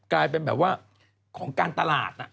กลายเป็นแบบว่าของการตลาด